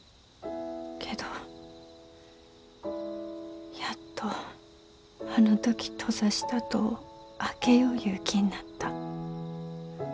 けどやっとあの時閉ざした戸を開けよういう気になった。